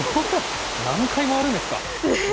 何回回るんですか？